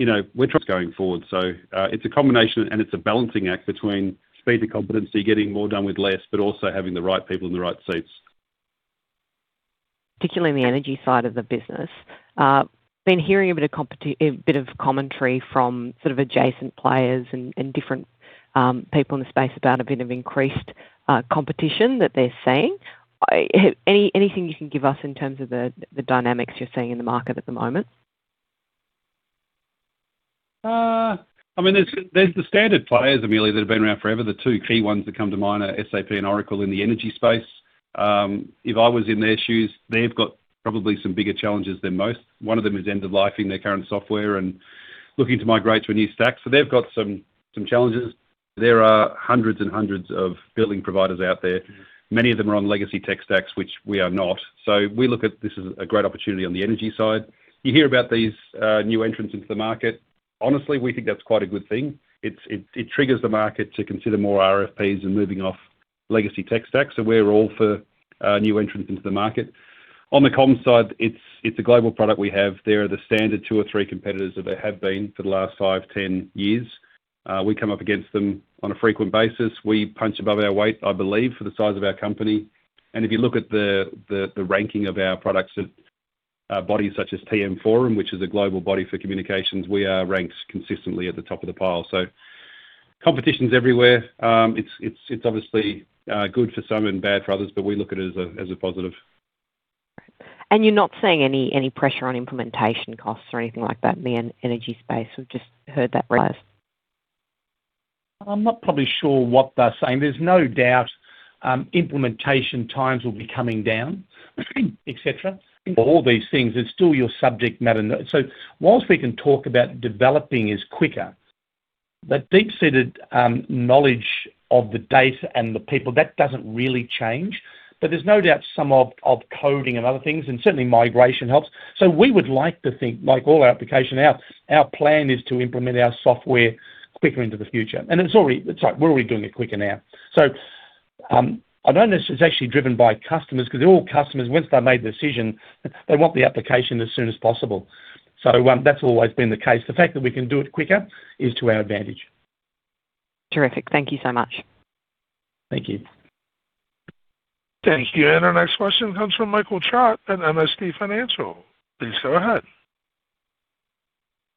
you know, we're just going forward. So, it's a combination, and it's a balancing act between speed to competency, getting more done with less, but also having the right people in the right seats. Particularly in the energy side of the business. Been hearing a bit of a bit of commentary from sort of adjacent players and, and different people in the space about a bit of increased competition that they're seeing. Anything you can give us in terms of the dynamics you're seeing in the market at the moment? I mean, there's the standard players, Amelia, that have been around forever. The two key ones that come to mind are SAP and Oracle in the energy space. If I was in their shoes, they've got probably some bigger challenges than most. One of them is end-of-lifing their current software and looking to migrate to a new stack. So they've got some challenges. There are hundreds and hundreds of billing providers out there. Many of them are on legacy tech stacks, which we are not. So we look at this as a great opportunity on the energy side. You hear about these new entrants into the market. Honestly, we think that's quite a good thing. It triggers the market to consider more RFPs and moving off legacy tech stacks. So we're all for new entrants into the market. On the comms side, it's a global product we have. There are the standard two or three competitors that there have been for the last five, 10 years. We come up against them on a frequent basis. We punch above our weight, I believe, for the size of our company. And if you look at the ranking of our products at bodies such as TM Forum, which is a global body for communications, we are ranked consistently at the top of the pile. So competition's everywhere. It's obviously good for some and bad for others, but we look at it as a positive. You're not seeing any, any pressure on implementation costs or anything like that in the energy space? We've just heard that raised. I'm not probably sure what they're saying. There's no doubt-... implementation times will be coming down, et cetera, all these things, it's still your subject matter. So whilst we can talk about developing is quicker, the deep-seated knowledge of the data and the people, that doesn't really change. But there's no doubt some of coding and other things, and certainly migration helps. So we would like to think, like all our application, our, our plan is to implement our software quicker into the future. And it's already. It's like we're already doing it quicker now. So, I know this is actually driven by customers because they're all customers. Once they've made the decision, they want the application as soon as possible. So, that's always been the case. The fact that we can do it quicker is to our advantage. Terrific. Thank you so much. Thank you. Thank you. Our next question comes from [Michael Chard] at MST Financial. Please go ahead.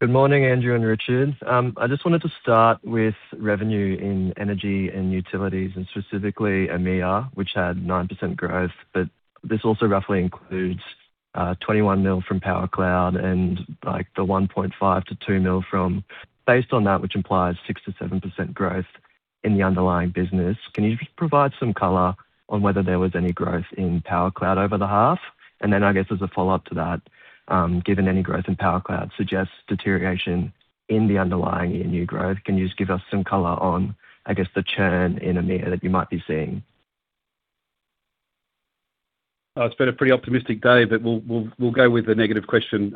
Good morning, Andrew and Richard. I just wanted to start with revenue in energy and utilities, and specifically, EMEA, which had 9% growth, but this also roughly includes, twenty-one mil from PowerCloud and like the one point five to two mil from... Based on that, which implies 6%-7% growth in the underlying business, can you just provide some color on whether there was any growth in PowerCloud over the half? And then I guess as a follow-up to that, given any growth in PowerCloud suggests deterioration in the underlying ENU growth, can you just give us some color on, I guess, the churn in EMEA that you might be seeing? It's been a pretty optimistic day, but we'll go with the negative question.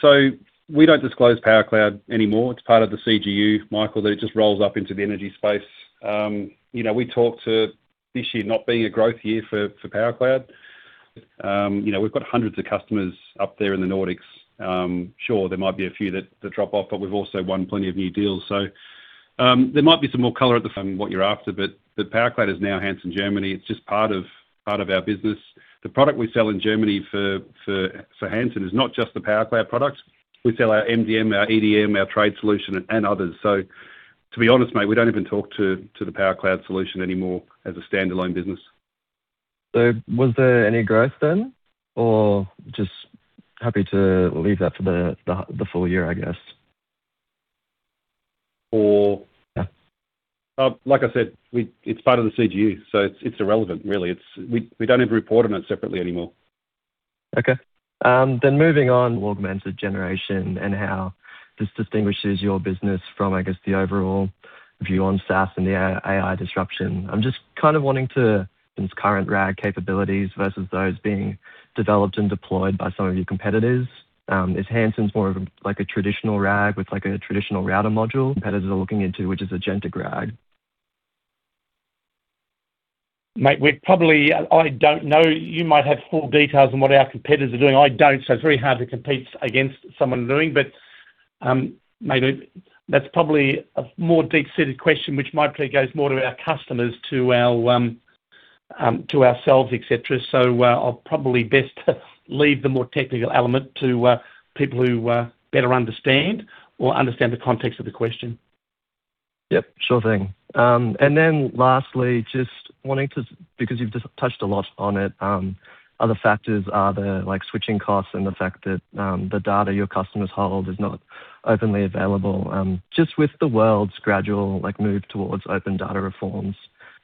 So we don't disclose PowerCloud anymore. It's part of the CGU, Michael, that it just rolls up into the energy space. You know, we talked to this year not being a growth year for PowerCloud. You know, we've got hundreds of customers up there in the Nordics. Sure, there might be a few that drop off, but we've also won plenty of new deals. So, there might be some more color at the front what you're after, but the PowerCloud is now Hansen Germany. It's just part of our business. The product we sell in Germany for Hansen is not just the PowerCloud product. We sell our MDM, our EDM, our trade solution, and others. So to be honest, mate, we don't even talk to the PowerCloud solution anymore as a standalone business. So was there any growth then, or just happy to leave that for the full year, I guess? Or- Yeah. Like I said, we, it's part of the CGU, so it's, it's irrelevant, really. It's, we, we don't even report on it separately anymore. Okay. Then moving on to augmented generation and how this distinguishes your business from, I guess, the overall view on SaaS and the AI, AI disruption. I'm just kind of wanting to these current RAG capabilities versus those being developed and deployed by some of your competitors. Is Hansen more of like a traditional RAG with like a traditional router module? Competitors are looking into, which is agentic RAG. Mate, we're probably. I don't know. You might have full details on what our competitors are doing. I don't, so it's very hard to compete against someone doing. But, maybe that's probably a more deep-seated question, which might pretty goes more to our customers, to our, to ourselves, et cetera. So, I'll probably best leave the more technical element to people who better understand or understand the context of the question. Yep, sure thing. And then lastly, just wanting to, because you've just touched a lot on it, other factors are the, like, switching costs and the fact that, the data your customers hold is not openly available. Just with the world's gradual, like, move towards open data reforms,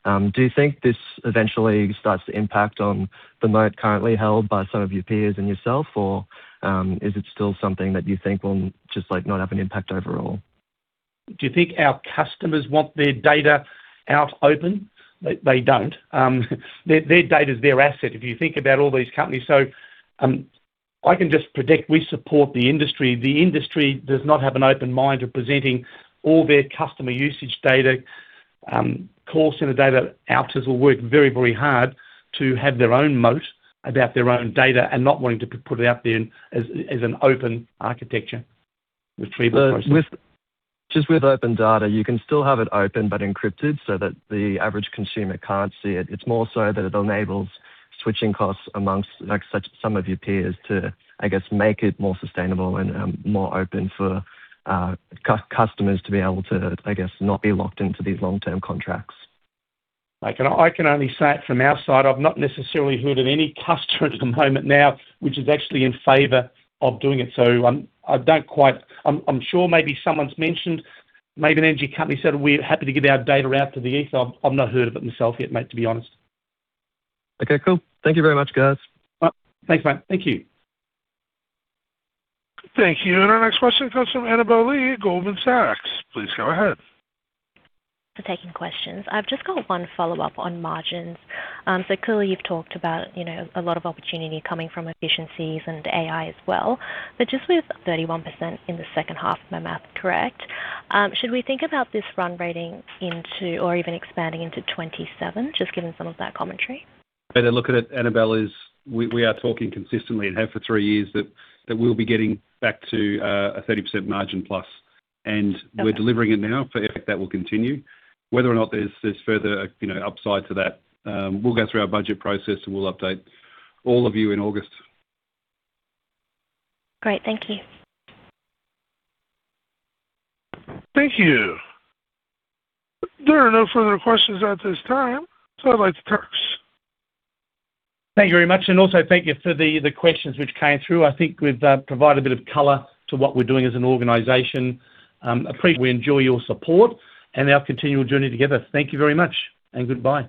do you think this eventually starts to impact on the moat currently held by some of your peers and yourself, or, is it still something that you think will just, like, not have an impact overall? Do you think our customers want their data out open? They, they don't. Their, their data is their asset if you think about all these companies. So, I can just predict we support the industry. The industry does not have an open mind to presenting all their customer usage data, call center data. Others will work very, very hard to have their own moat about their own data and not wanting to put it out there as an open architecture retrieval process. Just with open data, you can still have it open but encrypted so that the average consumer can't see it. It's more so that it enables switching costs amongst, like, such some of your peers to, I guess, make it more sustainable and more open for customers to be able to, I guess, not be locked into these long-term contracts. I can only say it from our side, I've not necessarily heard of any customer at the moment now, which is actually in favor of doing it. So, I don't quite. I'm sure maybe someone's mentioned, maybe an energy company said, "We're happy to give our data out to the Ether." I've not heard of it myself yet, mate, to be honest. Okay, cool. Thank you very much, guys. Thanks, mate. Thank you. Thank you. And our next question comes from Annabel Li at Goldman Sachs. Please go ahead. For taking questions. I've just got one follow-up on margins. So clearly, you've talked about, you know, a lot of opportunity coming from efficiencies and AI as well. But just with 31% in the second half, my math correct, should we think about this run-rate into or even expanding into 2027, just given some of that commentary? The way to look at it, Annabel, is we are talking consistently and have for three years that we'll be getting back to a 30%+ margin, and- Okay. We're delivering it now. For effect, that will continue. Whether or not there's further, you know, upside to that, we'll go through our budget process, and we'll update all of you in August. Great. Thank you. Thank you. There are no further questions at this time, so I'd like to thank. Thank you very much, and also thank you for the questions which came through. I think we've provided a bit of color to what we're doing as an organization. Appreciate. We enjoy your support and our continual journey together. Thank you very much, and goodbye.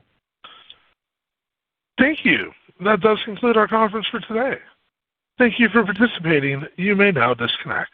Thank you. That does conclude our conference for today. Thank you for participating. You may now disconnect.